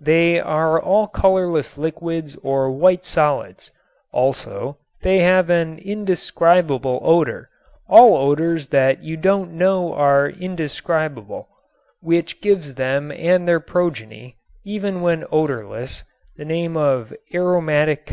They are all colorless liquids or white solids. Also they all have an indescribable odor all odors that you don't know are indescribable which gives them and their progeny, even when odorless, the name of "aromatic compounds."